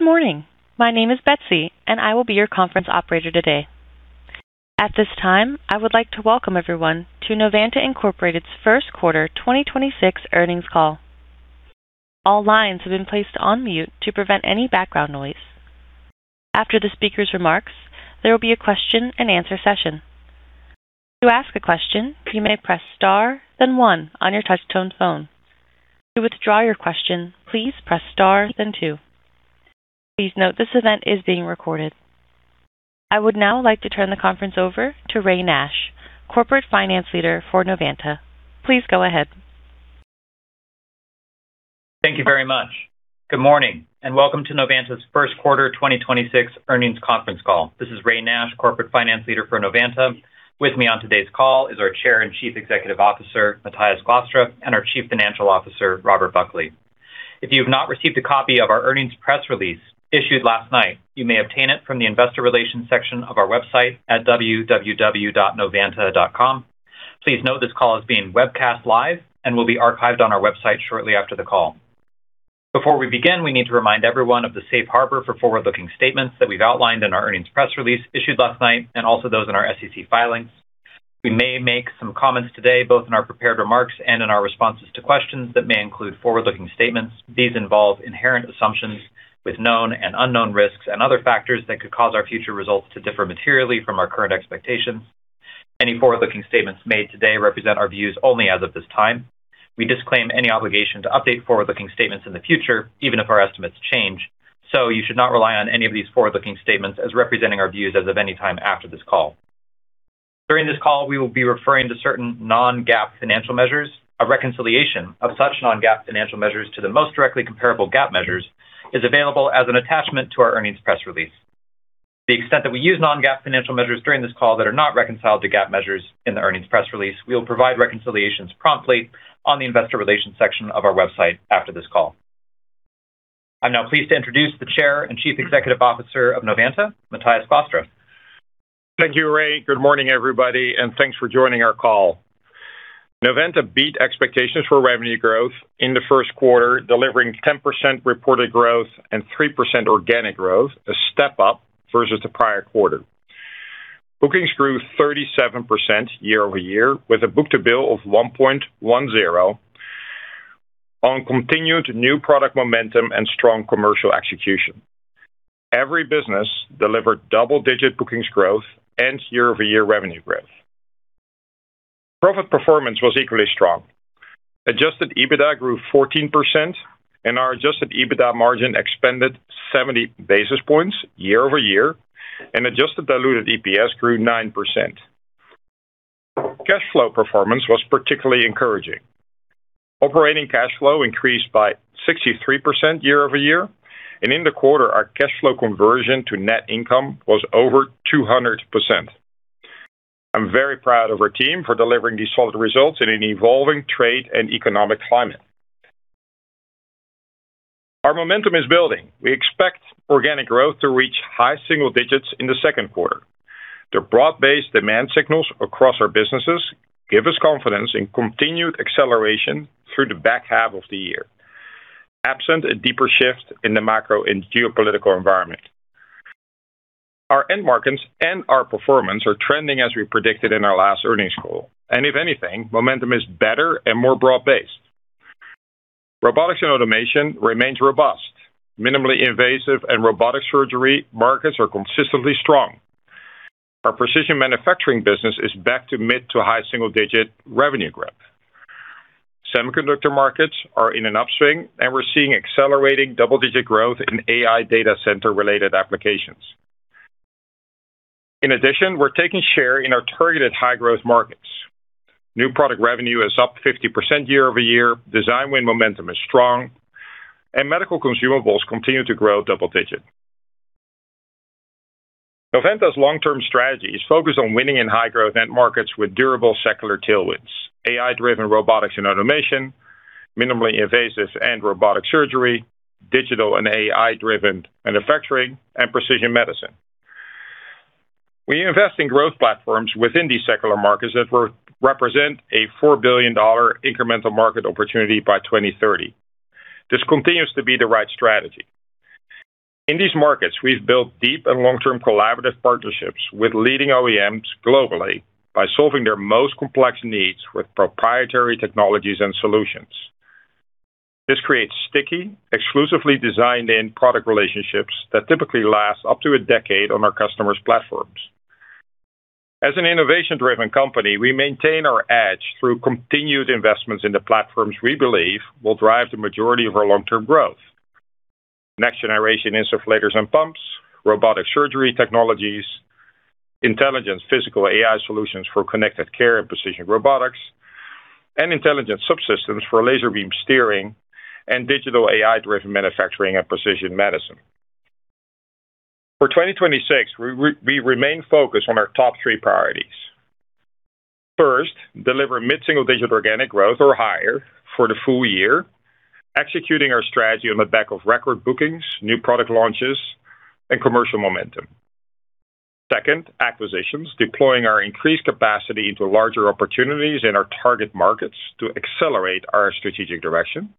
Morning. My name is Betsy, and I will be your conference operator today. At this time, I would like to welcome everyone to Novanta Incorporated First Quarter 2026 earnings call. All lines have been placed on mute to prevent any background noise. After the speaker's remarks, there will be a question-and-answer session. To ask a question, you may press star, then one on your touch-tone phone. To withdraw your question, please press star, then two. Please note this event is being recorded. I would now like to turn the conference over to Ray Nash, corporate finance leader for Novanta. Please go ahead. Thank you very much. Good morning, and welcome to Novanta's first quarter 2026 earnings conference call. This is Ray Nash, Corporate Finance Leader for Novanta. With me on today's call is our Chair and Chief Executive Officer, Matthijs Glastra, and our Chief Financial Officer, Robert Buckley. If you have not received a copy of our earnings press release issued last night, you may obtain it from the investor relations section of our website at www.novanta.com. Please note this call is being webcast live and will be archived on our website shortly after the call. Before we begin, we need to remind everyone of the safe harbor for forward-looking statements that we've outlined in our earnings press release issued last night, and also those in our SEC filings. We may make some comments today, both in our prepared remarks and in our responses to questions that may include forward-looking statements. These involve inherent assumptions with known and unknown risks and other factors that could cause our future results to differ materially from our current expectations. Any forward-looking statements made today represent our views only as of this time. We disclaim any obligation to update forward-looking statements in the future, even if our estimates change. You should not rely on any of these forward-looking statements as representing our views as of any time after this call. During this call, we will be referring to certain non-GAAP financial measures. A reconciliation of such non-GAAP financial measures to the most directly comparable GAAP measures is available as an attachment to our earnings press release. To the extent that we use non-GAAP financial measures during this call that are not reconciled to GAAP measures in the earnings press release, we will provide reconciliations promptly on the investor relations section of our website after this call. I'm now pleased to introduce the Chair and Chief Executive Officer of Novanta, Matthijs Glastra. Thank you, Ray. Good morning, everybody, and thanks for joining our call. Novanta beat expectations for revenue growth in the first quarter, delivering 10% reported growth and 3% organic growth, a step up versus the prior quarter. Bookings grew 37% year-over-year, with a book-to-bill of 1.10 on continued new product momentum and strong commercial execution. Every business delivered double-digit bookings growth and year-over-year revenue growth. Profit performance was equally strong. Adjusted EBITDA grew 14% and our Adjusted EBITDA margin expanded 70 basis points year-over-year, and adjusted diluted EPS grew 9%. Cash flow performance was particularly encouraging. Operating cash flow increased by 63% year-over-year, and in the quarter, our cash flow conversion to net income was over 200%. I'm very proud of our team for delivering these solid results in an evolving trade and economic climate. Our momentum is building. We expect organic growth to reach high single-digits in the second quarter. The broad-based demand signals across our businesses give us confidence in continued acceleration through the back half of the year, absent a deeper shift in the macro and geopolitical environment. Our end markets and our performance are trending as we predicted in our last earnings call. If anything, momentum is better and more broad-based. Robotics & Automation remains robust. Minimally invasive and robotic surgery markets are consistently strong. Our Precision Manufacturing business is back to mid to high single-digit revenue growth. Semiconductor markets are in an upswing. We're seeing accelerating double-digit growth in AI data center-related applications. In addition, we're taking share in our targeted high-growth markets. New product revenue is up 50% year-over-year. Design win momentum is strong, and medical consumables continue to grow double-digit. Novanta's long-term strategy is focused on winning in high-growth end markets with durable secular tailwinds, AI-driven robotics and automation, minimally invasive and robotic surgery, digital and AI-driven manufacturing, and Precision Medicine. We invest in growth platforms within these secular markets that represent a $4 billion incremental market opportunity by 2030. This continues to be the right strategy. In these markets, we've built deep and long-term collaborative partnerships with leading OEMs globally by solving their most complex needs with proprietary technologies and solutions. This creates sticky, exclusively designed in-product relationships that typically last up to a decade on our customers' platforms. As an innovation-driven company, we maintain our edge through continued investments in the platforms we believe will drive the majority of our long-term growth. Next generation insufflators and pumps, robotic surgery technologies, intelligent Physical AI solutions for connected care and precision robotics, and intelligent subsystems for laser beam steering and digital AI-driven manufacturing and Precision Medicine. For 2026, we remain focused on our top three priorities. First, deliver mid-single-digit organic growth or higher for the full year, executing our strategy on the back of record bookings, new product launches, and commercial momentum. Second, acquisitions. Deploying our increased capacity into larger opportunities in our target markets to accelerate our strategic direction.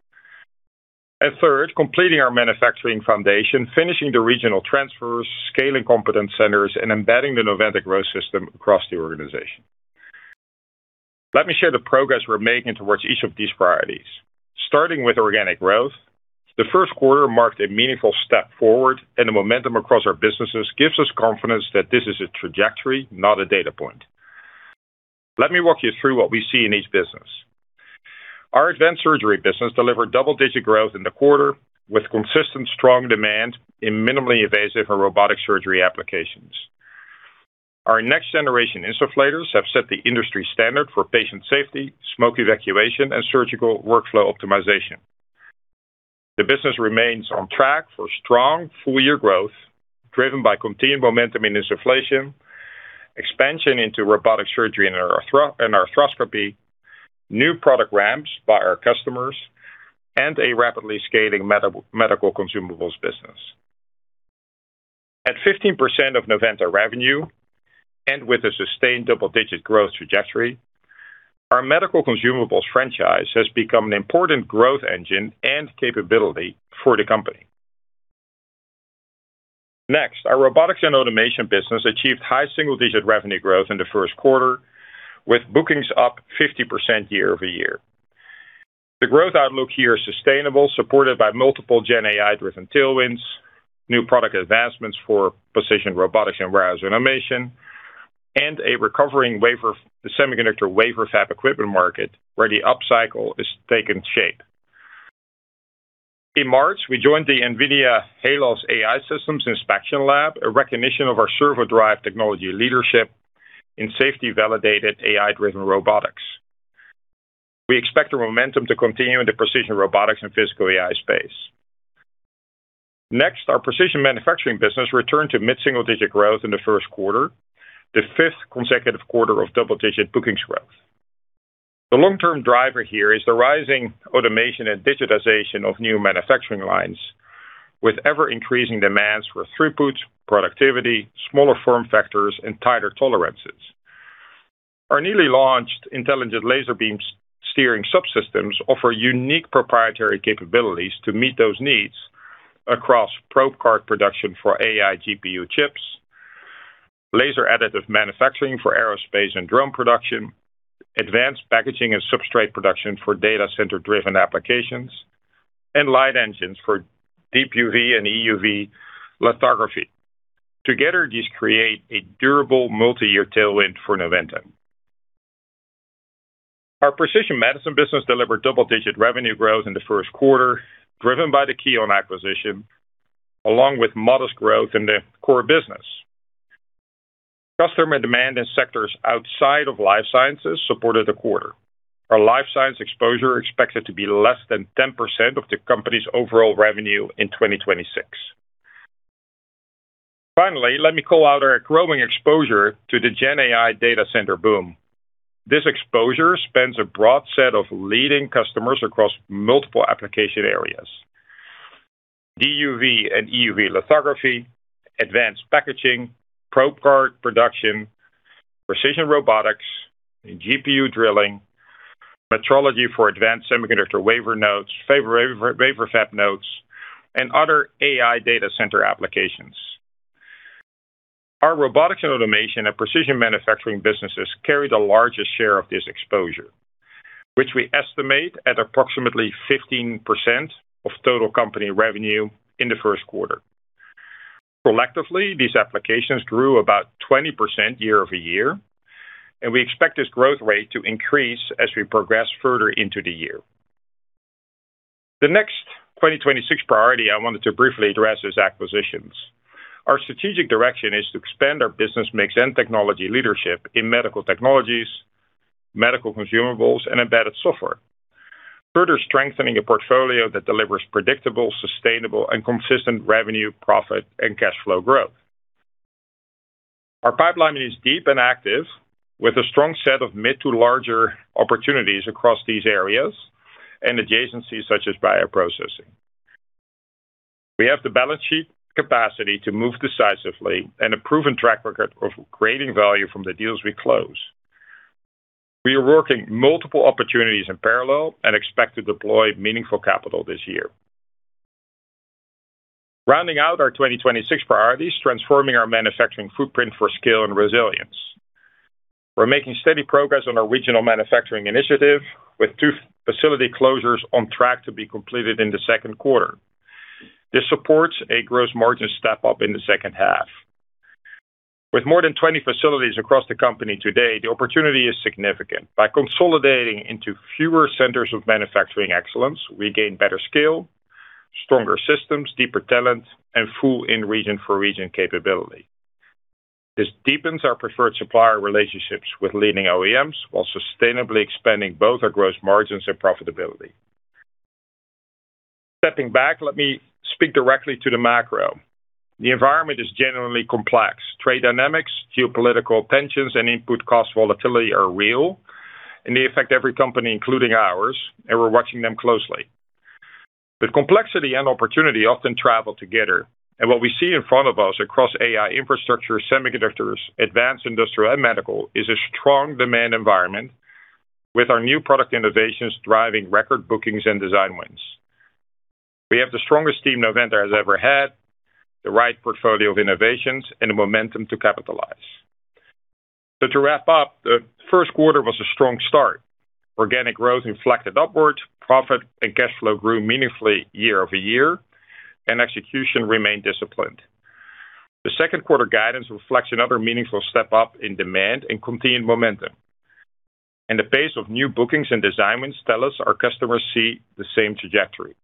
Third, completing our manufacturing foundation, finishing the regional transfers, scaling competence centers, and embedding the Novanta Growth System across the organization. Let me share the progress we're making towards each of these priorities. Starting with organic growth, the first quarter marked a meaningful step forward, and the momentum across our businesses gives us confidence that this is a trajectory, not a data point. Let me walk you through what we see in each business. Our Advanced Surgery business delivered double-digit growth in the quarter with consistent strong demand in minimally invasive and robotic surgery applications. Our next-generation insufflators have set the industry standard for patient safety, smoke evacuation, and surgical workflow optimization. The business remains on track for strong full-year growth, driven by continued momentum in insufflation, expansion into robotic surgery and arthroscopy, new product ramps by our customers, and a rapidly scaling medical consumables business. At 15% of Novanta revenue and with a sustained double-digit growth trajectory, our medical consumables franchise has become an important growth engine and capability for the company. Next, our Robotics & Automation business achieved high single-digit revenue growth in the first quarter, with bookings up 50% year-over-year. The growth outlook here is sustainable, supported by multiple GenAI-driven tailwinds, new product advancements for precision robotics and warehouse automation, and a recovering semiconductor wafer fab equipment market where the upcycle is taking shape. In March, we joined the NVIDIA Holoscan AI Systems Inspection Lab, a recognition of our servo drive technology leadership in safety-validated AI-driven robotics. We expect the momentum to continue in the precision robotics and Physical AI space. Next, our Precision Manufacturing business returned to mid-single-digit growth in the first quarter, the 5th consecutive quarter of double-digit bookings growth. The long-term driver here is the rising automation and digitization of new manufacturing lines with ever-increasing demands for throughput, productivity, smaller form factors, and tighter tolerances. Our newly launched intelligent laser beam steering subsystems offer unique proprietary capabilities to meet those needs across probe card production for AI GPU chips, laser additive manufacturing for aerospace and drone production, advanced packaging and substrate production for data center-driven applications, and light engines for DUV and EUV lithography. Together, these create a durable multi-year tailwind for Novanta. Our Precision Medicine business delivered double-digit revenue growth in the first quarter, driven by the Keonn acquisition, along with modest growth in the core business. Customer demand in sectors outside of life sciences supported the quarter. Our life science exposure expected to be less than 10% of the company's overall revenue in 2026. Finally, let me call out our growing exposure to the GenAI data center boom. This exposure spans a broad set of leading customers across multiple application areas. DUV and EUV lithography, advanced packaging, probe card production, precision robotics, GPU drilling, metrology for advanced semiconductor wafer nodes, wafer fab nodes, and other AI data center applications. Our Robotics & Automation and Precision Manufacturing businesses carry the largest share of this exposure, which we estimate at approximately 15% of total company revenue in the first quarter. Collectively, these applications grew about 20% year-over-year, and we expect this growth rate to increase as we progress further into the year. The next 2026 priority I wanted to briefly address is acquisitions. Our strategic direction is to expand our business mix and technology leadership in medical technologies, medical consumables, and embedded software. Further strengthening a portfolio that delivers predictable, sustainable, and consistent revenue, profit, and cash flow growth. Our pipeline is deep and active, with a strong set of mid to larger opportunities across these areas and adjacencies such as bioprocessing. We have the balance sheet capacity to move decisively and a proven track record of creating value from the deals we close. We are working multiple opportunities in parallel and expect to deploy meaningful capital this year. Rounding out our 2026 priorities, transforming our manufacturing footprint for scale and resilience. We're making steady progress on our regional manufacturing initiative with 2 facility closures on track to be completed in the second quarter. This supports a gross margin step-up in the second half. With more than 20 facilities across the company today, the opportunity is significant. By consolidating into fewer centers of manufacturing excellence, we gain better scale, stronger systems, deeper talent, and full in-region for region capability. This deepens our preferred supplier relationships with leading OEMs while sustainably expanding both our gross margins and profitability. Stepping back, let me speak directly to the macro. The environment is genuinely complex. Trade dynamics, geopolitical tensions, and input cost volatility are real, and they affect every company, including ours, and we're watching them closely. Complexity and opportunity often travel together, and what we see in front of us across AI infrastructure, semiconductors, advanced industrial and medical, is a strong demand environment with our new product innovations driving record bookings and design wins. We have the strongest team Novanta has ever had, the right portfolio of innovations, and the momentum to capitalize. To wrap up, the first quarter was a strong start. Organic growth inflected upwards, profit and cash flow grew meaningfully year-over-year, and execution remained disciplined. The second quarter guidance reflects another meaningful step up in demand and continued momentum. The pace of new bookings and design wins tell us our customers see the same trajectory.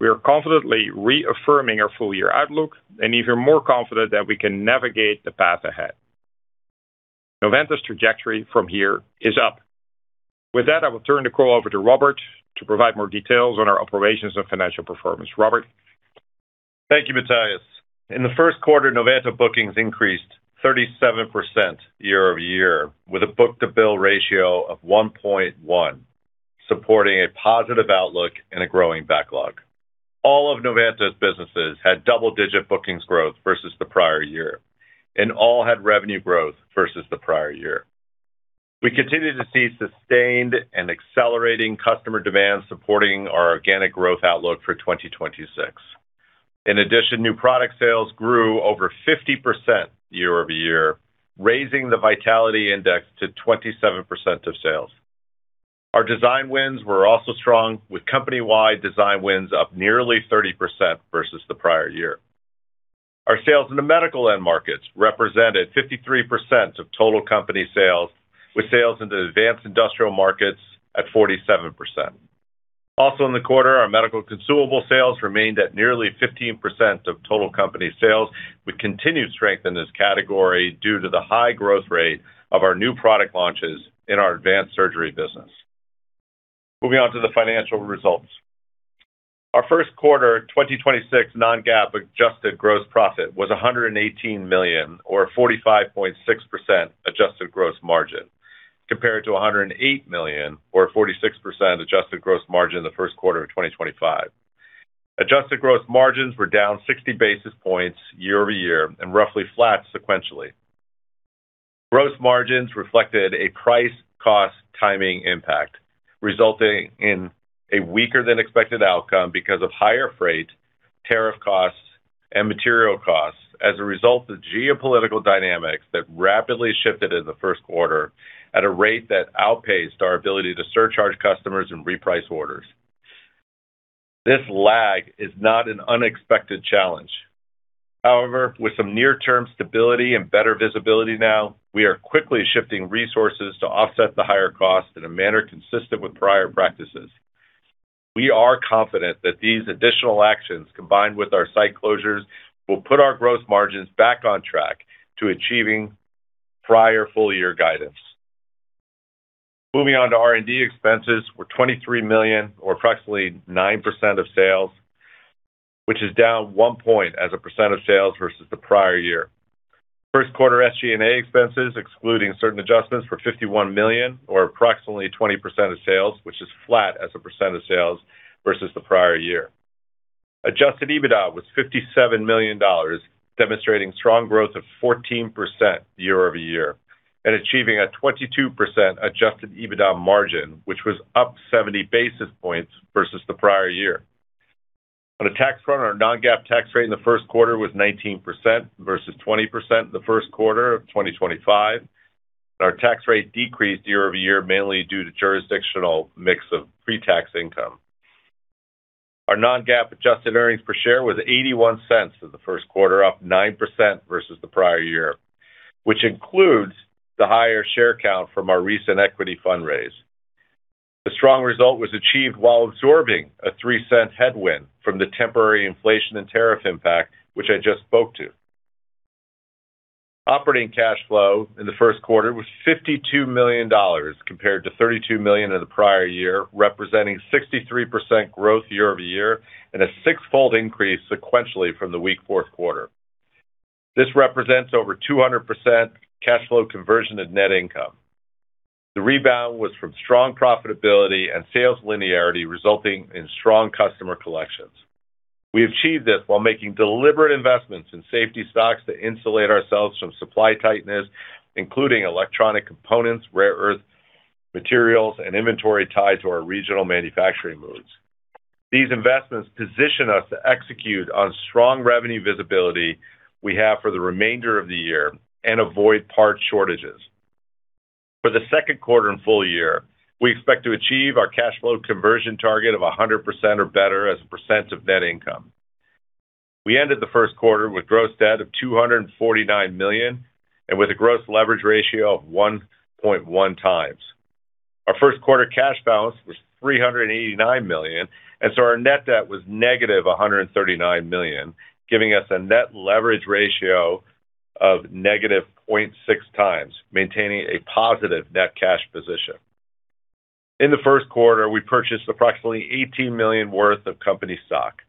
We are confidently reaffirming our full-year outlook and even more confident that we can navigate the path ahead. Novanta's trajectory from here is up. With that, I will turn the call over to Robert to provide more details on our operations and financial performance. Robert? Thank you, Matthijs. In the first quarter, Novanta bookings increased 37% year-over-year with a book-to-bill ratio of 1.1, supporting a positive outlook and a growing backlog. All of Novanta's businesses had double-digit bookings growth versus the prior year, and all had revenue growth versus the prior year. We continue to see sustained and accelerating customer demand supporting our organic growth outlook for 2026. In addition, new product sales grew over 50% year-over-year, raising the vitality index to 27% of sales. Our design wins were also strong, with company-wide design wins up nearly 30% versus the prior year. Our sales in the medical end markets represented 53% of total company sales, with sales into advanced industrial markets at 47%. Also in the quarter, our medical consumable sales remained at nearly 15% of total company sales with continued strength in this category due to the high growth rate of our new product launches in our Advanced Surgery business. Moving on to the financial results. Our first quarter 2026 non-GAAP adjusted gross profit was $118 million, or 45.6% adjusted gross margin, compared to $108 million, or 46% adjusted gross margin in the first quarter of 2025. Adjusted gross margins were down 60 basis points year-over-year and roughly flat sequentially. Gross margins reflected a price cost timing impact, resulting in a weaker than expected outcome because of higher freight, tariff costs, and material costs as a result of geopolitical dynamics that rapidly shifted in the first quarter at a rate that outpaced our ability to surcharge customers and reprice orders. This lag is not an unexpected challenge. However, with some near-term stability and better visibility now, we are quickly shifting resources to offset the higher cost in a manner consistent with prior practices. We are confident that these additional actions, combined with our site closures, will put our gross margins back on track to achieving prior full-year guidance. R&D expenses were $23 million, or approximately 9% of sales, which is down 1 point as a % of sales versus the prior year. First quarter SG&A expenses, excluding certain adjustments, were $51 million, or approximately 20% of sales, which is flat as a percent of sales versus the prior year. Adjusted EBITDA was $57 million, demonstrating strong growth of 14% year-over-year and achieving a 22% Adjusted EBITDA margin, which was up 70 basis points versus the prior year. On a tax front, our non-GAAP tax rate in the first quarter was 19% versus 20% in the first quarter of 2025. Our tax rate decreased year-over-year mainly due to jurisdictional mix of pre-tax income. Our non-GAAP adjusted earnings per share was $0.81 in the first quarter, up 9% versus the prior year, which includes the higher share count from our recent equity fundraise. The strong result was achieved while absorbing a $0.03 headwind from the temporary inflation and tariff impact, which I just spoke to. Operating cash flow in the first quarter was $52 million compared to $32 million in the prior year, representing 63% growth year-over-year and a six-fold increase sequentially from the weak fourth quarter. This represents over 200% cash flow conversion of net income. The rebound was from strong profitability and sales linearity, resulting in strong customer collections. We achieved this while making deliberate investments in safety stocks to insulate ourselves from supply tightness, including electronic components, rare earth materials, and inventory tied to our regional manufacturing moves. These investments position us to execute on strong revenue visibility we have for the remainder of the year and avoid part shortages. For the second quarter and full year, we expect to achieve our cash flow conversion target of 100% or better as a percent of net income. We ended the first quarter with gross debt of $249 million and with a gross leverage ratio of 1.1x. Our first quarter cash balance was $389 million, our net debt was negative $139 million, giving us a net leverage ratio of negative 0.6x, maintaining a positive net cash position. In the first quarter, we purchased approximately $18 million worth of company stock.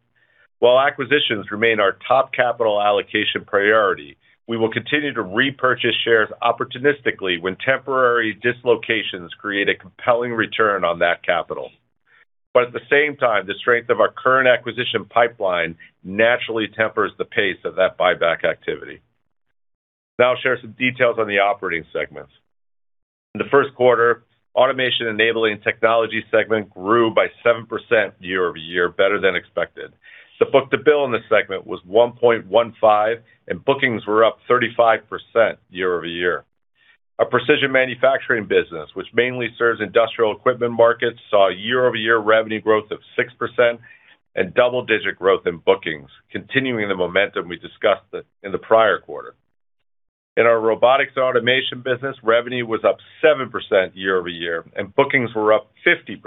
While acquisitions remain our top capital allocation priority, we will continue to repurchase shares opportunistically when temporary dislocations create a compelling return on that capital. At the same time, the strength of our current acquisition pipeline naturally tempers the pace of that buyback activity. I'll share some details on the operating segments. In the first quarter, automation enabling technology segment grew by 7% year-over-year, better than expected. The book-to-bill in this segment was 1.15. Bookings were up 35% year-over-year. Our Precision Manufacturing business, which mainly serves industrial equipment markets, saw year-over-year revenue growth of 6% and double-digit growth in bookings, continuing the momentum we discussed in the prior quarter. In our Robotics & Automation business, revenue was up 7% year-over-year. Bookings were up 50%.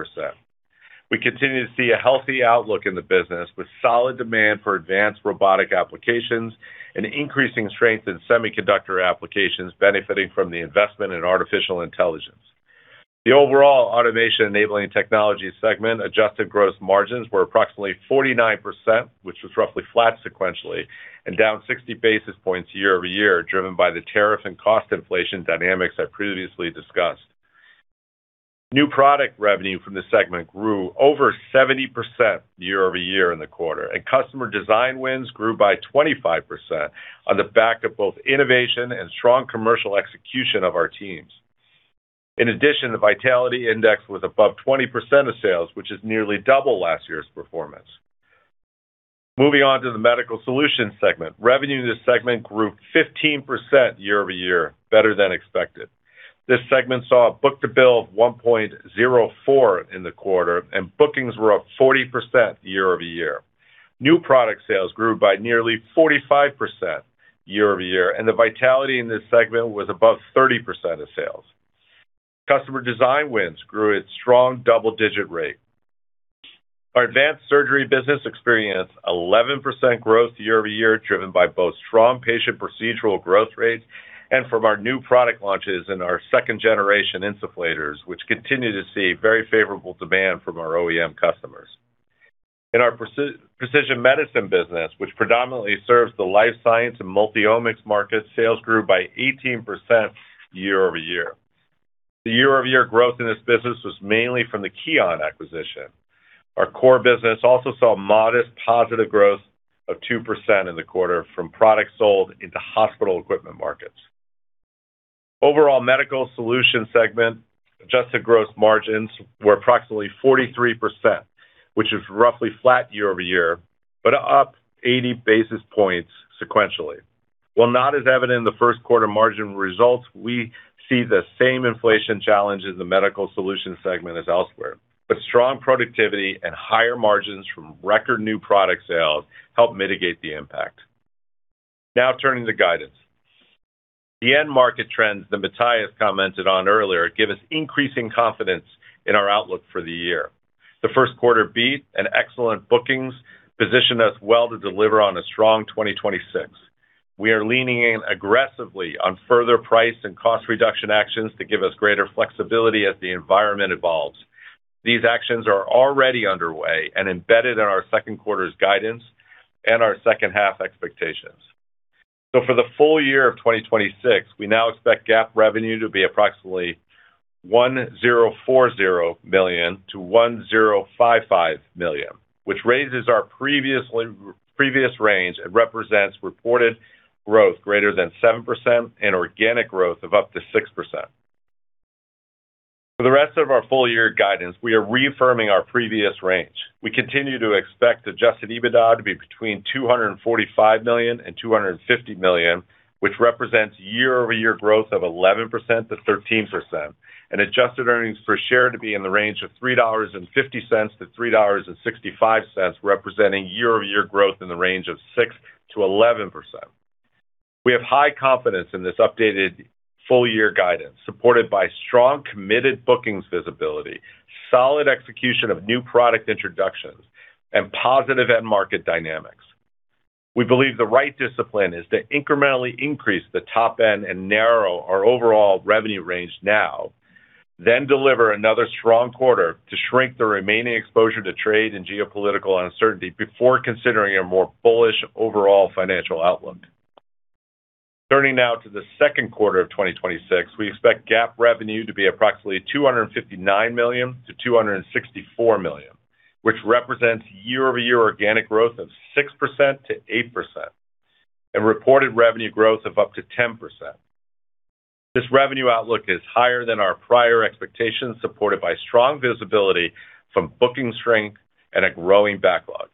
We continue to see a healthy outlook in the business, with solid demand for advanced robotic applications and increasing strength in semiconductor applications benefiting from the investment in artificial intelligence. The overall automation enabling technology segment adjusted gross margins were approximately 49%, which was roughly flat sequentially. Down 60 basis points year-over-year, driven by the tariff and cost inflation dynamics I previously discussed. New product revenue from the segment grew over 70% year-over-year in the quarter, and customer design wins grew by 25% on the back of both innovation and strong commercial execution of our teams. In addition, the vitality index was above 20% of sales, which is nearly double last year's performance. Moving on to the Medical Solutions segment. Revenue in this segment grew 15% year-over-year, better than expected. This segment saw a book-to-bill of 1.04 in the quarter, and bookings were up 40% year-over-year. New product sales grew by nearly 45% year-over-year, and the vitality in this segment was above 30% of sales. Customer design wins grew at strong double-digit rate. Our Advanced Surgery business experienced 11% growth year-over-year, driven by both strong patient procedural growth rates and from our new product launches in our second-generation insufflators, which continue to see very favorable demand from our OEM customers. In our Precision Medicine business, which predominantly serves the life science and multi-omics market, sales grew by 18% year-over-year. The year-over-year growth in this business was mainly from the Keonn acquisition. Our core business also saw modest positive growth of 2% in the quarter from products sold into hospital equipment markets. Overall Medical Solutions segment adjusted gross margins were approximately 43%, which is roughly flat year-over-year, but up 80 basis points sequentially. While not as evident in the first quarter margin results, we see the same inflation challenge in the Medical Solutions segment as elsewhere, but strong productivity and higher margins from record new product sales help mitigate the impact. Now turning to guidance. The end market trends that Matthijs commented on earlier give us increasing confidence in our outlook for the year. The first quarter beat and excellent bookings position us well to deliver on a strong 2026. We are leaning in aggressively on further price and cost reduction actions to give us greater flexibility as the environment evolves. These actions are already underway and embedded in our second quarter's guidance and our second half expectations. For the full year of 2026, we now expect GAAP revenue to be approximately $1,040 million-$1,055 million, which raises our previous range and represents reported growth greater than 7% and organic growth of up to 6%. For the rest of our full year guidance, we are reaffirming our previous range. We continue to expect Adjusted EBITDA to be between $245 million and $250 million, which represents year-over-year growth of 11%-13%, and adjusted diluted EPS to be in the range of $3.50-$3.65, representing year-over-year growth in the range of 6%-11%. We have high confidence in this updated full year guidance, supported by strong committed bookings visibility, solid execution of new product introductions, and positive end market dynamics. We believe the right discipline is to incrementally increase the top end and narrow our overall revenue range now, then deliver another strong quarter to shrink the remaining exposure to trade and geopolitical uncertainty before considering a more bullish overall financial outlook. Turning now to the second quarter of 2026, we expect GAAP revenue to be approximately $259 million to $264 million, which represents year-over-year organic growth of 6%-8% and reported revenue growth of up to 10%. This revenue outlook is higher than our prior expectations, supported by strong visibility from booking strength and a growing backlog.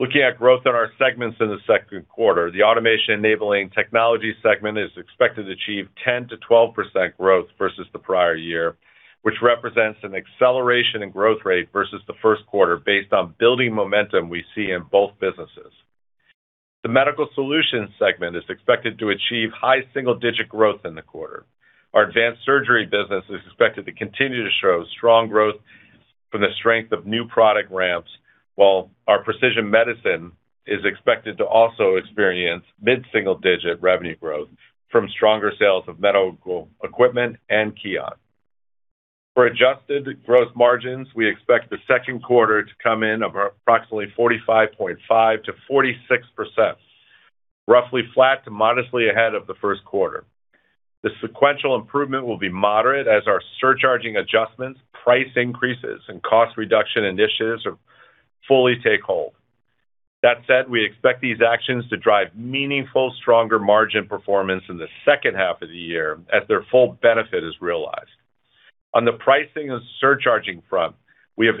Looking at growth in our segments in the second quarter, the Automation Enabling Technology segment is expected to achieve 10%-12% growth versus the prior year, which represents an acceleration in growth rate versus the first quarter based on building momentum we see in both businesses. The Medical Solutions segment is expected to achieve high single-digit growth in the quarter. Our Advanced Surgery business is expected to continue to show strong growth from the strength of new product ramps, while our Precision Medicine is expected to also experience mid-single digit revenue growth from stronger sales of medical equipment and Keonn. For adjusted gross margins, we expect the second quarter to come in of approximately 45.5%-46%, roughly flat to modestly ahead of the first quarter. The sequential improvement will be moderate as our surcharging adjustments, price increases, and cost reduction initiatives are fully take hold. That said, we expect these actions to drive meaningful stronger margin performance in the second half of the year as their full benefit is realized. On the pricing and surcharging front, we have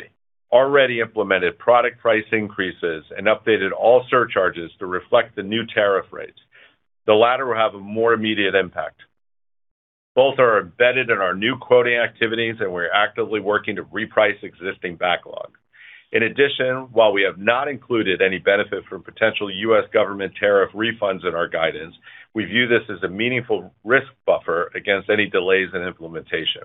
already implemented product price increases and updated all surcharges to reflect the new tariff rates. The latter will have a more immediate impact. Both are embedded in our new quoting activities, and we're actively working to reprice existing backlog. In addition, while we have not included any benefit from potential U.S. government tariff refunds in our guidance, we view this as a meaningful risk buffer against any delays in implementation.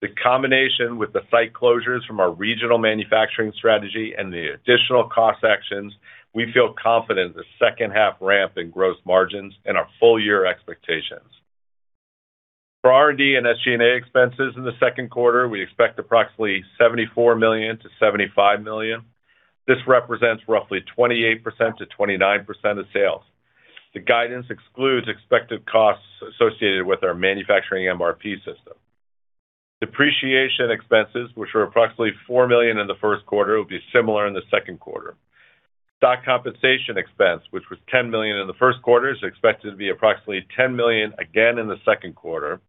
The combination with the site closures from our regional manufacturing strategy and the additional cost actions, we feel confident in the second half ramp in gross margins and our full year expectations. For R&D and SG&A expenses in the second quarter, we expect approximately $74 million-$75 million. This represents roughly 28%-29% of sales. The guidance excludes expected costs associated with our manufacturing MRP system. Depreciation expenses, which were approximately $4 million in the first quarter, will be similar in the second quarter. Stock compensation expense, which was $10 million in the first quarter, is expected to be approximately $10 million again in the second quarter.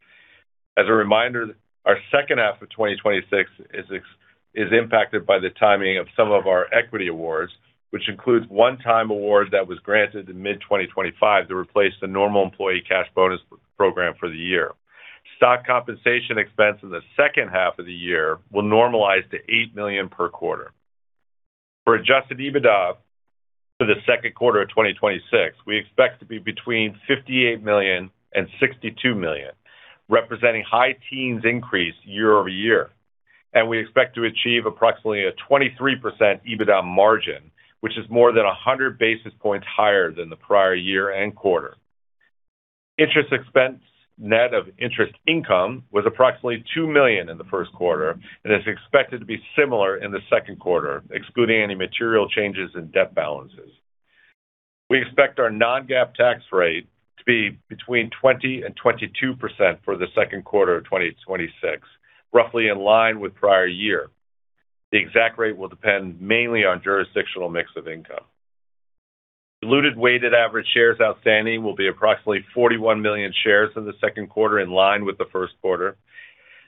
As a reminder, our second half of 2026 is impacted by the timing of some of our equity awards, which includes one-time award that was granted in mid 2025 to replace the normal employee cash bonus program for the year. Stock compensation expense in the second half of the year will normalize to $8 million per quarter. For Adjusted EBITDA for the second quarter of 2026, we expect to be between $58 million and $62 million, representing high teens increase year-over-year. We expect to achieve approximately a 23% EBITDA margin, which is more than 100 basis points higher than the prior year and quarter. Interest expense, net of interest income, was approximately $2 million in the first quarter and is expected to be similar in the second quarter, excluding any material changes in debt balances. We expect our non-GAAP tax rate to be between 20% and 22% for the second quarter of 2026, roughly in line with prior year. The exact rate will depend mainly on jurisdictional mix of income. Diluted weighted average shares outstanding will be approximately 41 million shares in the second quarter, in line with the first quarter.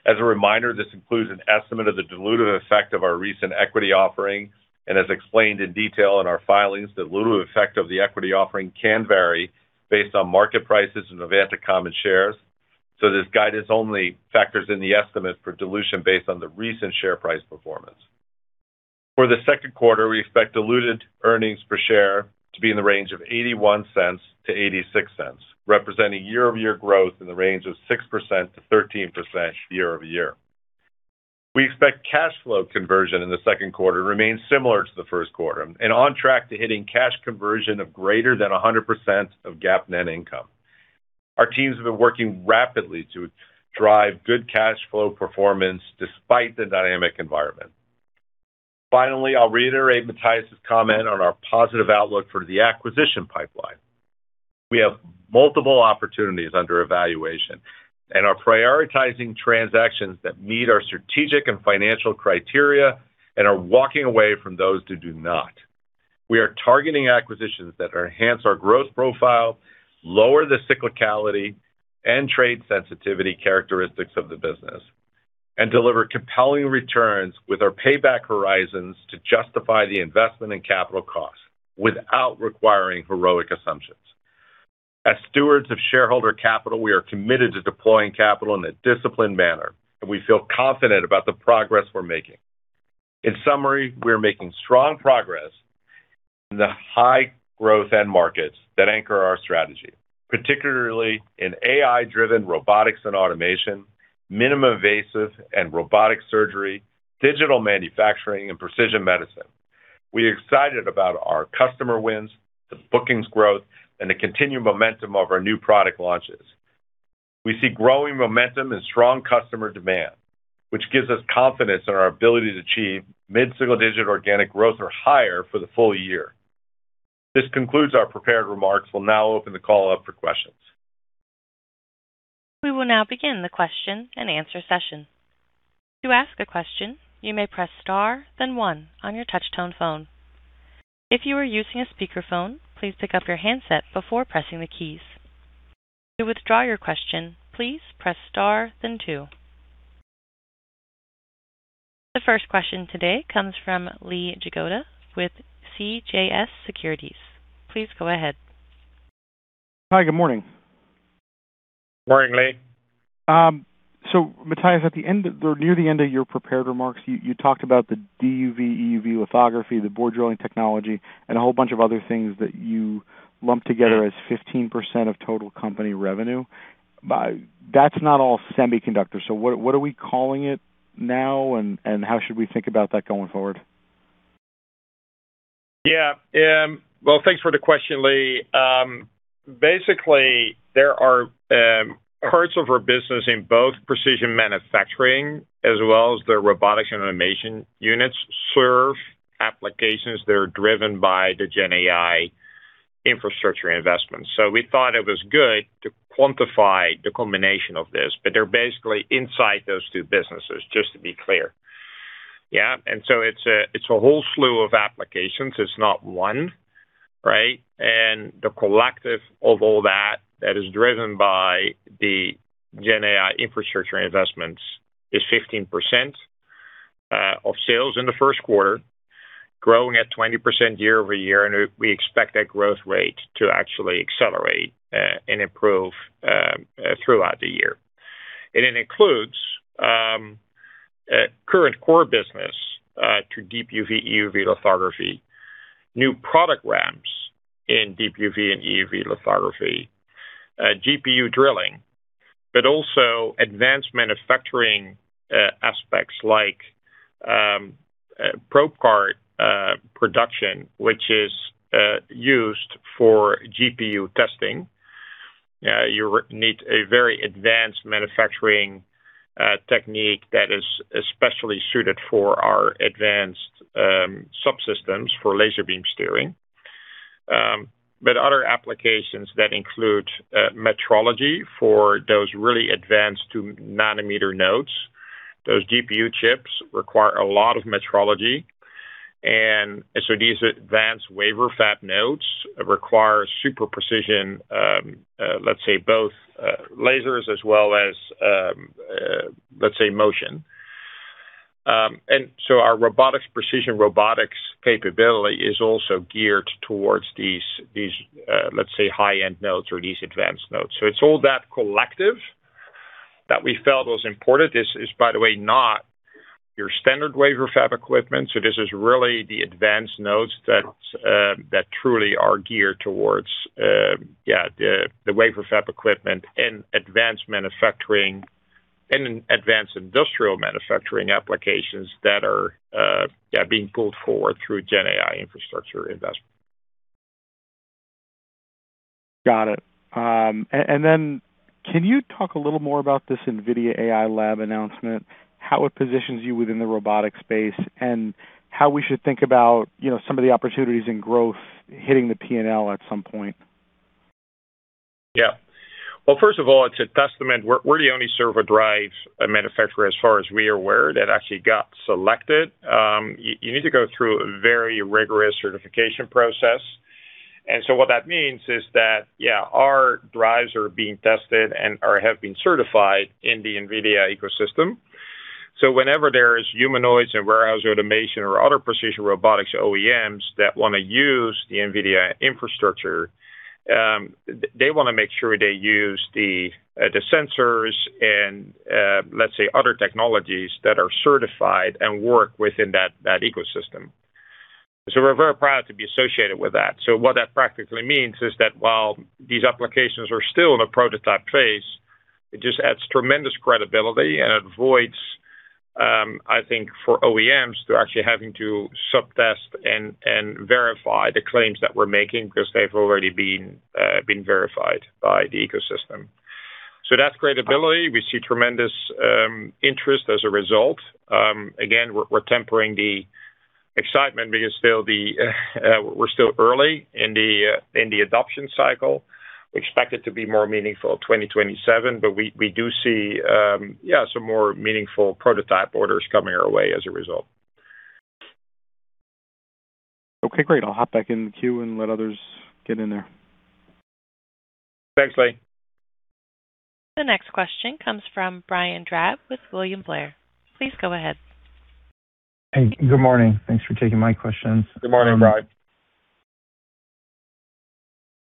As a reminder, this includes an estimate of the dilutive effect of our recent equity offering. As explained in detail in our filings, dilutive effect of the equity offering can vary based on market prices and Novanta common shares. This guidance only factors in the estimate for dilution based on the recent share price performance. For the second quarter, we expect diluted earnings per share to be in the range of $0.81-$0.86, representing year-over-year growth in the range of 6%-13% year-over-year. We expect cash flow conversion in the second quarter to remain similar to the first quarter and on track to hitting cash conversion of greater than 100% of GAAP net income. Our teams have been working rapidly to drive good cash flow performance despite the dynamic environment. Finally, I'll reiterate Matthijs' comment on our positive outlook for the acquisition pipeline. We have multiple opportunities under evaluation and are prioritizing transactions that meet our strategic and financial criteria and are walking away from those who do not. We are targeting acquisitions that enhance our growth profile, lower the cyclicality and trade sensitivity characteristics of the business, and deliver compelling returns with our payback horizons to justify the investment in capital costs without requiring heroic assumptions. As stewards of shareholder capital, we are committed to deploying capital in a disciplined manner, and we feel confident about the progress we're making. In summary, we are making strong progress in the high growth end markets that anchor our strategy, particularly in AI-driven Robotics & Automation, minimum invasive and robotic surgery, digital manufacturing, and Precision Medicine. We are excited about our customer wins, the bookings growth, and the continued momentum of our new product launches. We see growing momentum and strong customer demand, which gives us confidence in our ability to achieve mid-single-digit organic growth or higher for the full year. This concludes our prepared remarks. We'll now open the call up for questions. We will now begin the question and answer session. To ask a question, you may press star, then one on your touchtone phone. If you are using a speakerphone, please pick up your handset before pressing the keys. To withdraw your question, please press star, then two. The first question today comes from Lee Jagoda with CJS Securities. Please go ahead. Hi, good morning. Morning, Lee. Matthijs, at the end of or near the end of your prepared remarks, you talked about the DUV, EUV lithography, the board drilling technology, and a whole bunch of other things that you lumped together as 15% of total company revenue. That's not all semiconductors, what are we calling it now, and how should we think about that going forward? Yeah. Well, thanks for the question, Lee. Basically, there are parts of our business in both Precision Manufacturing as well as the Robotics & Automation units serve applications that are driven by the GenAI infrastructure investments. We thought it was good to quantify the combination of this, but they're basically inside those two businesses, just to be clear. Yeah. It's a whole slew of applications. It's not one, right? The collective of all that is driven by the GenAI infrastructure investments is 15% of sales in the first quarter, growing at 20% year-over-year, and we expect that growth rate to actually accelerate and improve throughout the year. It includes current core business to Deep UV/EUV lithography, new product ramps in Deep UV and EUV lithography, GPU drilling, but also advanced manufacturing aspects like probe card production, which is used for GPU testing. You need a very advanced manufacturing technique that is especially suited for our advanced subsystems for laser beam steering. Other applications that include metrology for those really advanced 2 nanometer nodes. Those GPU chips require a lot of metrology. These advanced wafer fab nodes require super precision, let's say both lasers as well as, let's say motion. Our robotics, precision robotics capability is also geared towards these, let's say high-end nodes or these advanced nodes. It's all that collective that we felt was important. This is, by the way, not your standard wafer fab equipment, so this is really the advanced nodes that truly are geared towards the wafer fab equipment and advanced manufacturing and advanced industrial manufacturing applications that are being pulled forward through GenAI infrastructure investment. Got it. Can you talk a little more about this NVIDIA AI lab announcement, how it positions you within the robotic space and how we should think about, you know, some of the opportunities and growth hitting the P&L at some point? Well, first of all, it's a testament. We're the only servo drive manufacturer, as far as we are aware, that actually got selected. You need to go through a very rigorous certification process. What that means is that, yeah, our drives are being tested and/or have been certified in the NVIDIA ecosystem. Whenever there is humanoids and warehouse automation or other precision robotics OEMs that want to use the NVIDIA infrastructure, they wanna make sure they use the sensors and, let's say other technologies that are certified and work within that ecosystem. We're very proud to be associated with that. What that practically means is that while these applications are still in a prototype phase, it just adds tremendous credibility and avoids, I think for OEMs to actually having to sub test and verify the claims that we're making because they've already been verified by the ecosystem. That's great ability. We see tremendous interest as a result. Again, we're tempering the excitement because still the, we're still early in the adoption cycle. We expect it to be more meaningful 2027, but we do see some more meaningful prototype orders coming our way as a result. Okay, great. I will hop back in the queue and let others get in there. Thanks, Lee. The next question comes from Brian Drab with William Blair. Please go ahead. Hey, good morning. Thanks for taking my questions. Good morning, Brian.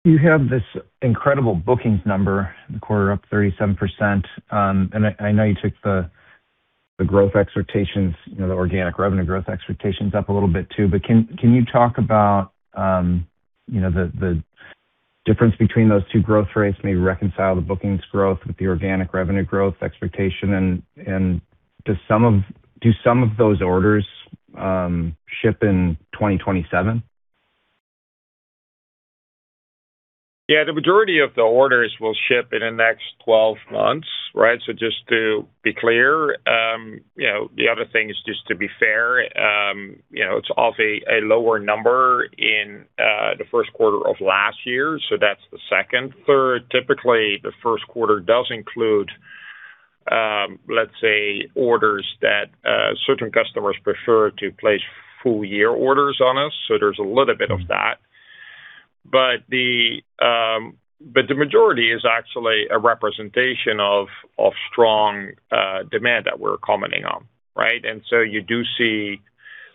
You have this incredible bookings number, the quarter up 37%. I know you took the growth expectations, you know, the organic revenue growth expectations up a little bit too. Can you talk about, you know, the difference between those two growth rates, maybe reconcile the bookings growth with the organic revenue growth expectation? Do some of those orders ship in 2027? Yeah. The majority of the orders will ship in the next 12 months, right? Just to be clear, you know, the other thing is, just to be fair, you know, it's off a lower number in the first quarter of last year, so that's the second. Third, typically the first quarter does include, let's say orders that certain customers prefer to place full year orders on us, so there's a little bit of that. The majority is actually a representation of strong demand that we're commenting on, right? You do see,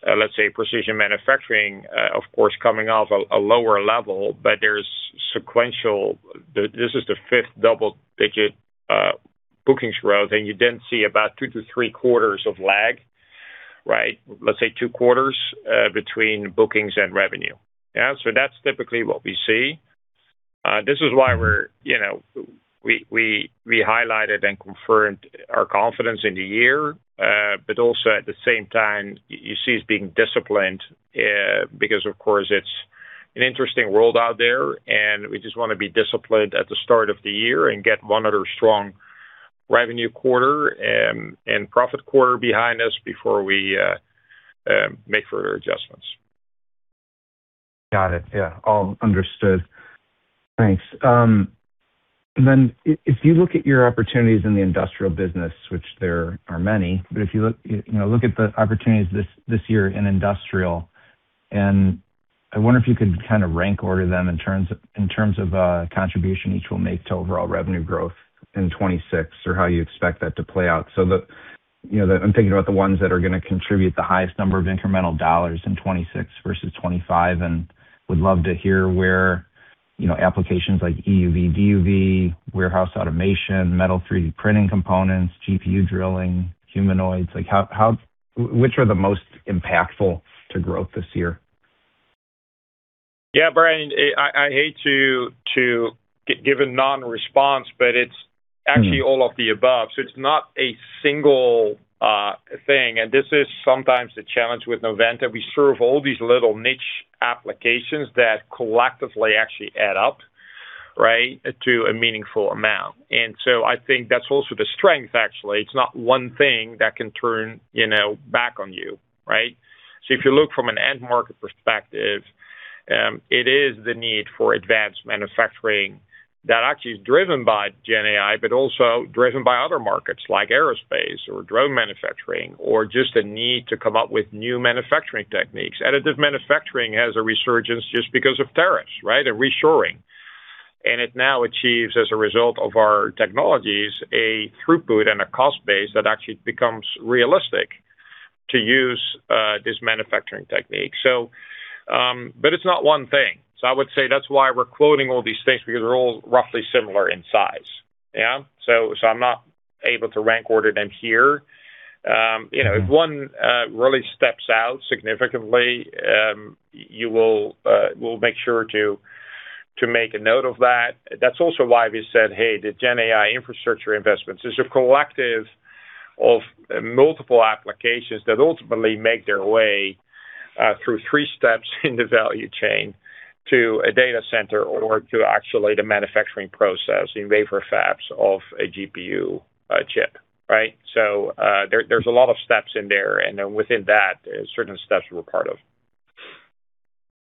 let's say Precision Manufacturing, of course coming off a lower level, but there's sequential this is the 5th double-digit bookings growth, and you then see about 2 to 3 quarters of lag, right? Let's say 2 quarters, between bookings and revenue. Yeah. That's typically what we see. This is why we're, you know, we highlighted and confirmed our confidence in the year. Also at the same time, you see us being disciplined, because of course it's an interesting world out there, and we just wanna be disciplined at the start of the year and get 1 other strong revenue quarter and profit quarter behind us before we make further adjustments. Got it. Yeah, all understood. Thanks. If you look at your opportunities in the industrial business, which there are many, but if you look, you know, look at the opportunities this year in industrial, and I wonder if you could kind of rank order them in terms of contribution each will make to overall revenue growth in 2026, or how you expect that to play out. I'm thinking about the ones that are gonna contribute the highest number of incremental dollars in 2026 versus 2025, and would love to hear where, you know, applications like EUV, DUV, warehouse automation, metal 3D printing components, GPU drilling, humanoids. How, which are the most impactful to growth this year? Brian, I hate to give a non-response, but it's actually all of the above, so it's not a single thing, this is sometimes the challenge with Novanta. We serve all these little niche applications that collectively actually add up, right? To a meaningful amount. I think that's also the strength actually. It's not one thing that can turn, you know, back on you, right? If you look from an end market perspective, it is the need for advanced manufacturing that actually is driven by GenAI, also driven by other markets like aerospace or drone manufacturing, or just a need to come up with new manufacturing techniques. Additive manufacturing has a resurgence just because of tariffs, right? Reshoring. It now achieves, as a result of our technologies, a throughput and a cost base that actually becomes realistic to use this manufacturing technique. It's not one thing. I would say that's why we're quoting all these things, because they're all roughly similar in size. Yeah? I'm not able to rank order them here. you know. If one really steps out significantly, we'll make sure to make a note of that. That's also why we said, hey, the GenAI infrastructure investments is a collective of multiple applications that ultimately make their way through 3 steps in the value chain to a data center or to actually the manufacturing process in wafer fabs of a GPU chip, right? There's a lot of steps in there, and then within that, certain steps we're part of.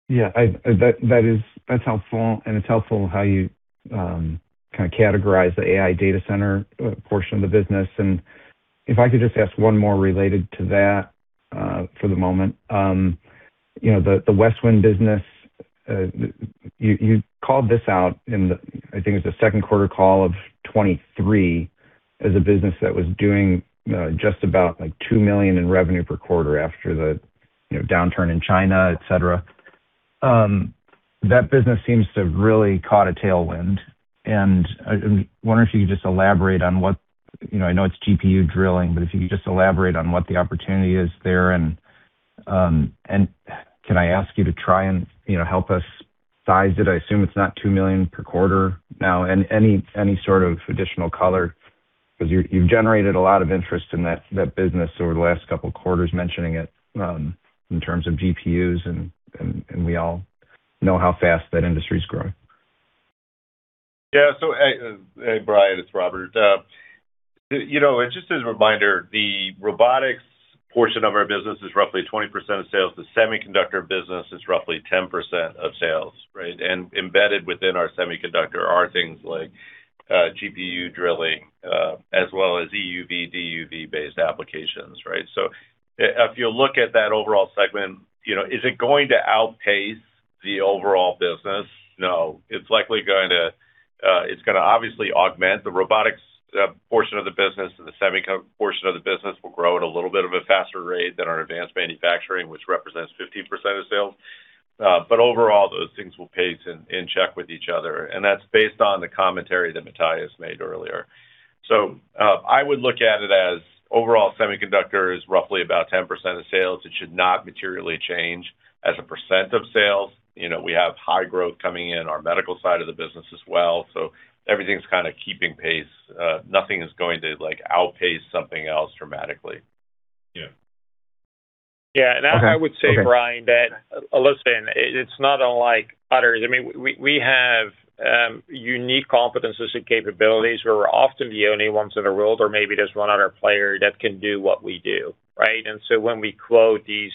Yeah, that's helpful, and it's helpful how you kind of categorize the AI data center portion of the business. If I could just ask one more related to that for the moment. You know, the Westwind business, you called this out in the, I think it was the second quarter call of 2023 as a business that was doing just about, like, $2 million in revenue per quarter after the, you know, downturn in China, et cetera. That business seems to have really caught a tailwind, and I wonder if you could just elaborate on what, you know, I know it's GPU drilling, but if you could just elaborate on what the opportunity is there, and can I ask you to try and, you know, help us size it? I assume it's not $2 million per quarter now. Any sort of additional color, 'cause you've generated a lot of interest in that business over the last couple of quarters mentioning it, in terms of GPUs and we all know how fast that industry is growing. Yeah. Hey, hey Brian, it's Robert. You know, just as a reminder, the robotics portion of our business is roughly 20% of sales. The semiconductor business is roughly 10% of sales, right? Embedded within our semiconductor are things like GPU drilling, as well as EUV, DUV based applications, right? If you look at that overall segment, you know, is it going to outpace the overall business? No. It's likely going to obviously augment the robotics portion of the business, and the semiconductor portion of the business will grow at a little bit of a faster rate than our Precision Manufacturing, which represents 15% of sales. Overall, those things will pace in check with each other, and that's based on the commentary that Matthijs made earlier. I would look at it as overall semiconductor is roughly about 10% of sales. It should not materially change as a % of sales. You know, we have high growth coming in our medical side of the business as well. Everything's kind of keeping pace. Nothing is going to, like, outpace something else dramatically. I would say, Brian, that, listen, it's not unlike others. I mean, we have unique competencies and capabilities where we're often the only ones in the world or maybe there's one other player that can do what we do, right? When we quote these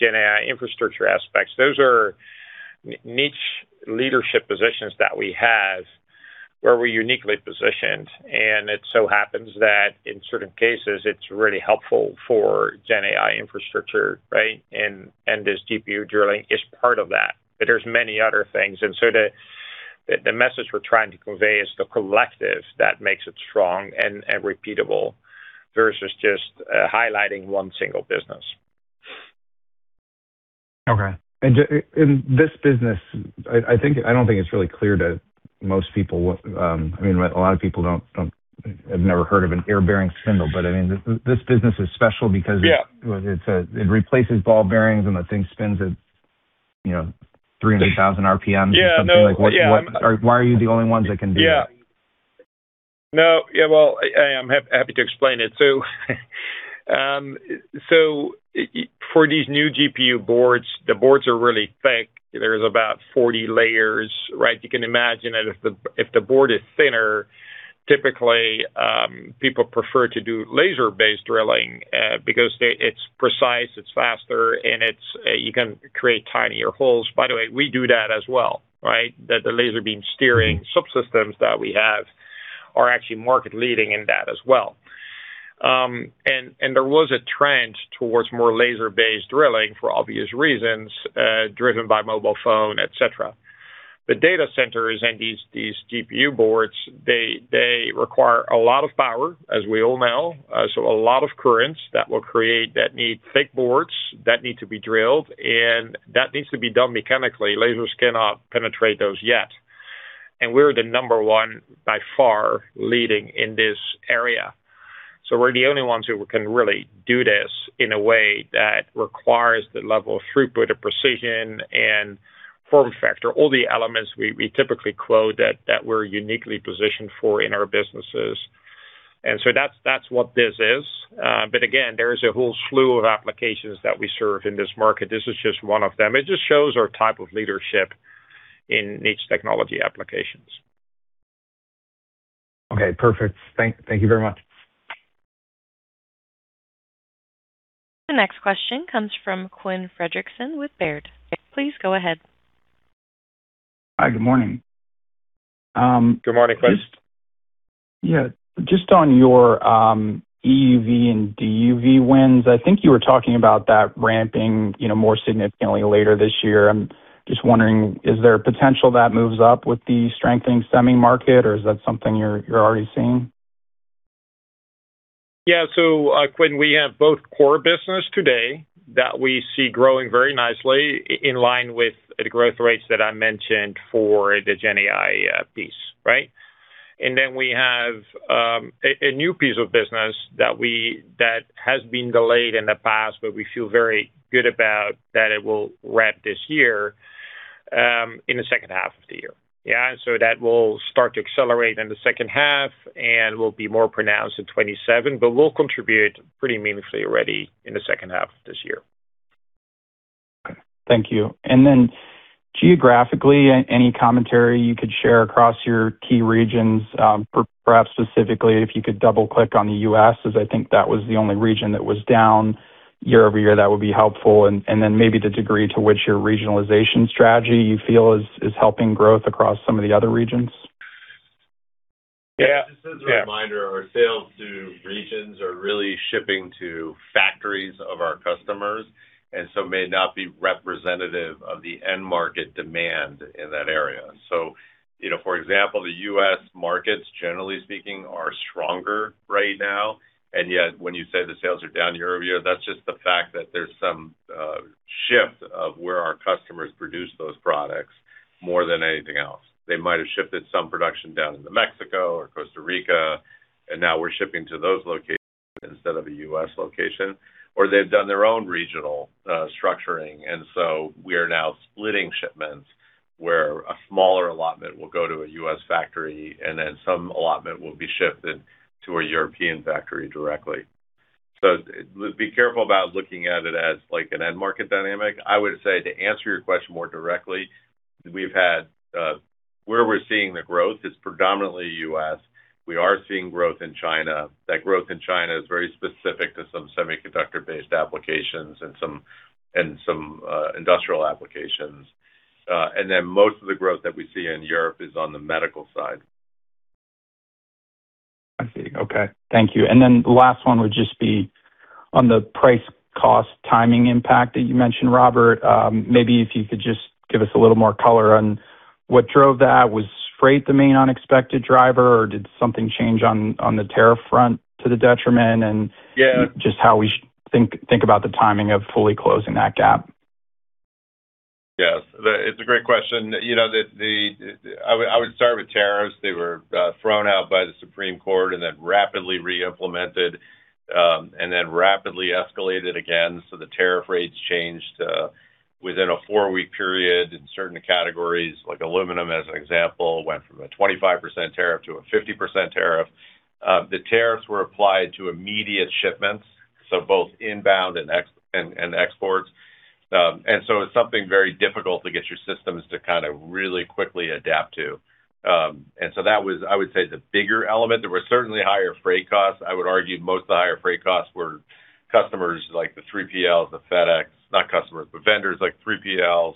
GenAI infrastructure aspects, those are niche leadership positions that we have where we're uniquely positioned. It so happens that in certain cases, it's really helpful for GenAI infrastructure, right? This GPU drilling is part of that. There's many other things, so the message we're trying to convey is the collective that makes it strong and repeatable versus just highlighting one single business. Okay. In this business, I think I don't think it's really clear to most people what, I mean, a lot of people don't have never heard of an air-bearing spindle, but I mean, this business is special because. Yeah It replaces ball bearings, and the thing spins at, you know, 300,000 RPMs. Yeah, no. Yeah Why are you the only ones that can do that? No. I am happy to explain it. For these new GPU boards, the boards are really thick. There's about 40 layers, right? You can imagine that if the board is thinner, typically, people prefer to do laser-based drilling because it's precise, it's faster, and you can create tinier holes. By the way, we do that as well, right? The laser beam steering subsystems that we have are actually market-leading in that as well. There was a trend towards more laser-based drilling for obvious reasons, driven by mobile phone, et cetera. The data centers and these GPU boards, they require a lot of power, as we all know, so a lot of currents that will create that need thick boards that need to be drilled, and that needs to be done mechanically. Lasers cannot penetrate those yet. We're the number 1, by far, leading in this area. We're the only ones who can really do this in a way that requires the level of throughput, of precision, and form factor, all the elements we typically quote that we're uniquely positioned for in our businesses. That's what this is. Again, there is a whole slew of applications that we serve in this market. This is just 1 of them. It just shows our type of leadership in niche technology applications. Okay, perfect. Thank you very much. The next question comes from Quinn Fredrickson with Baird. Please go ahead. Hi, good morning. Good morning, Quinn. On your EUV and DUV wins, I think you were talking about that ramping, you know, more significantly later this year. I'm just wondering, is there potential that moves up with the strengthening semi market, or is that something you're already seeing? Quinn, we have both core business today that we see growing very nicely in line with the growth rates that I mentioned for the GenAI piece, right. We have a new piece of business that has been delayed in the past, but we feel very good about that it will ramp this year, in the second half of the year. That will start to accelerate in the second half and will be more pronounced in 2027, but will contribute pretty meaningfully already in the second half of this year. Okay. Thank you. Then geographically, any commentary you could share across your key regions, perhaps specifically if you could double-click on the U.S., as I think that was the only region that was down year-over-year, that would be helpful. Then maybe the degree to which your regionalization strategy you feel is helping growth across some of the other regions. Yeah. Just as a reminder, our sales to regions are really shipping to factories of our customers, may not be representative of the end market demand in that area. You know, for example, the U.S. markets, generally speaking, are stronger right now, yet when you say the sales are down year-over-year, that's just the fact that there's some shift of where our customers produce those products more than anything else. They might have shifted some production down into Mexico or Costa Rica, now we're shipping to those locations instead of a U.S. location. They've done their own regional structuring, we are now splitting shipments where a smaller allotment will go to a U.S. factory some allotment will be shipped into a European factory directly. Be careful about looking at it as, like, an end market dynamic. I would say to answer your question more directly, where we're seeing the growth is predominantly U.S. We are seeing growth in China. That growth in China is very specific to some semiconductor-based applications and some industrial applications. Most of the growth that we see in Europe is on the medical side. I see. Okay. Thank you. Last one would just be on the price cost timing impact that you mentioned, Robert. Maybe if you could just give us a little more color on what drove that. Was freight the main unexpected driver, or did something change on the tariff front to the detriment? Yeah just how we think about the timing of fully closing that gap. Yes. The It's a great question. You know, I would start with tariffs. They were thrown out by the Supreme Court and then rapidly reimplemented and then rapidly escalated again. The tariff rates changed within a four-week period in certain categories, like aluminum as an example, went from a 25% tariff to a 50% tariff. The tariffs were applied to immediate shipments, so both inbound and exports. It's something very difficult to get your systems to kind of really quickly adapt to. That was, I would say, the bigger element. There were certainly higher freight costs. I would argue most of the higher freight costs were customers like the 3PLs, the FedEx. Not customers, but vendors like 3PLs,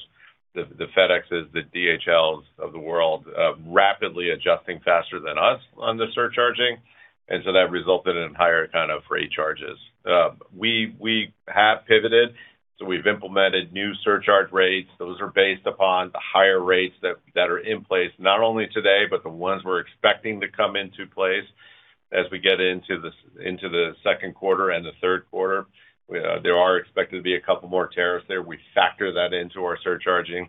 the FedExes, the DHLs of the world, rapidly adjusting faster than us on the surcharging. That resulted in higher kind of freight charges. We have pivoted, we've implemented new surcharge rates. Those are based upon the higher rates that are in place, not only today, but the ones we're expecting to come into place as we get into the second quarter and the third quarter. We, there are expected to be a couple more tariffs there. We factor that into our surcharging.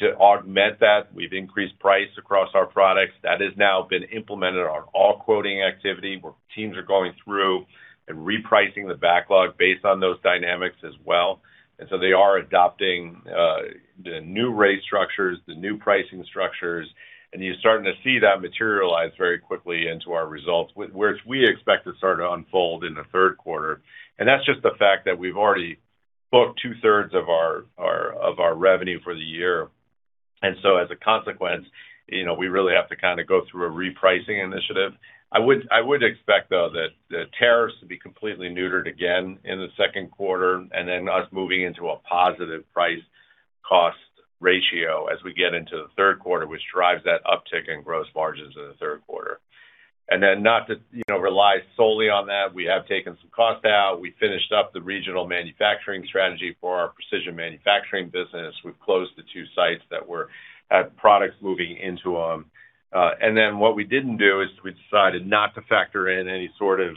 To augment that, we've increased price across our products. That has now been implemented on all quoting activity, where teams are going through and repricing the backlog based on those dynamics as well. They are adopting the new rate structures, the new pricing structures, and you're starting to see that materialize very quickly into our results, which we expect to start to unfold in the third quarter. That's just the fact that we've already booked two-thirds of our revenue for the year. As a consequence, you know, we really have to kind of go through a repricing initiative. I would expect, though, that the tariffs to be completely neutered again in the second quarter, and then us moving into a positive price cost ratio as we get into the third quarter, which drives that uptick in gross margins in the third quarter. Not to, you know, rely solely on that, we have taken some costs out. We finished up the regional manufacturing strategy for our Precision Manufacturing business. We've closed the 2 sites that were at products moving into them. What we didn't do is we decided not to factor in any sort of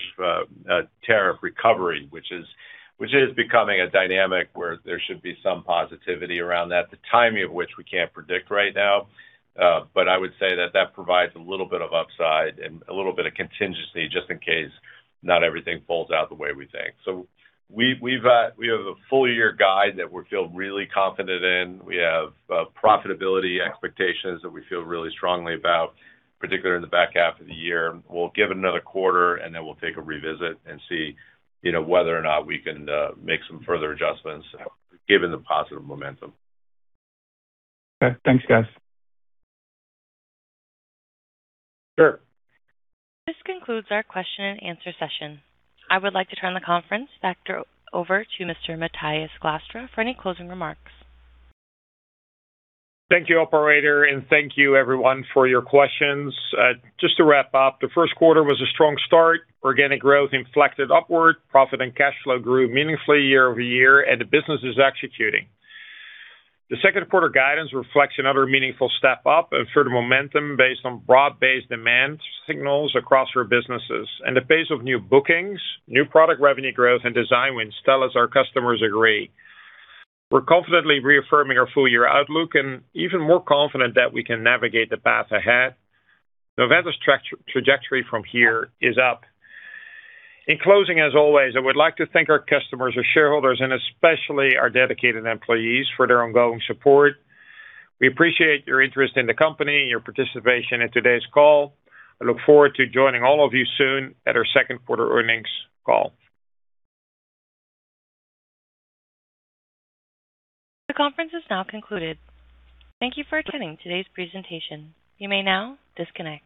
tariff recovery, which is becoming a dynamic where there should be some positivity around that, the timing of which we can't predict right now. I would say that that provides a little bit of upside and a little bit of contingency just in case not everything folds out the way we think. We've, we have a full year guide that we feel really confident in. We have profitability expectations that we feel really strongly about, particularly in the back half of the year. We'll give it another quarter, and then we'll take a revisit and see, you know, whether or not we can make some further adjustments given the positive momentum. Okay. Thanks, guys. Sure. This concludes our question and answer session. I would like to turn the conference over to Mr. Matthijs Glastra for any closing remarks. Thank you, operator, and thank you everyone for your questions. Just to wrap up, the first quarter was a strong start. Organic growth inflected upward. Profit and cash flow grew meaningfully year over year, and the business is executing. The second quarter guidance reflects another meaningful step up and further momentum based on broad-based demand signals across our businesses. The pace of new bookings, new product revenue growth, and design wins tell us our customers agree. We're confidently reaffirming our full year outlook and even more confident that we can navigate the path ahead. Novanta's trajectory from here is up. In closing, as always, I would like to thank our customers, our shareholders, and especially our dedicated employees for their ongoing support. We appreciate your interest in the company and your participation in today's call. I look forward to joining all of you soon at our second quarter earnings call. The conference is now concluded. Thank you for attending today's presentation. You may now disconnect.